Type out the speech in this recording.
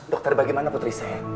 dokter bagaimana putri saya